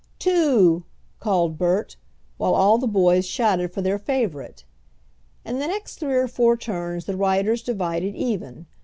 "Two!" called Bert, while all the boys shouted for their favorite. In the next three or four turns the riders divided even.